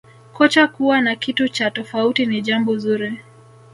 kocha kuwa na kitu cha tofauti ni jambo zuri